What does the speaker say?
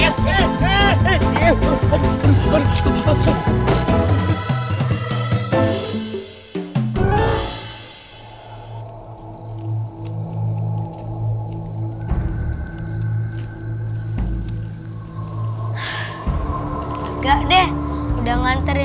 sakit canggul aduh